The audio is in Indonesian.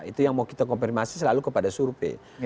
itu yang mau kita konfirmasi selalu kepada survei